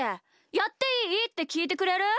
「やっていい？」ってきいてくれる？